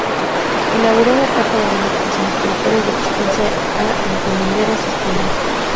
Inauguró una etapa de mayor tensión espiritual y de exigencia a encomenderos y españoles.